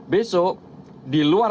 besok di luar